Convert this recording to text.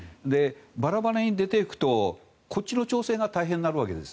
バラバラに出ていくとこっちの調整が大変になるわけです。